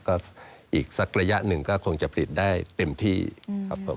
ก็อีกสักระยะหนึ่งก็คงจะผลิตได้เต็มที่ครับผม